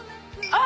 あ！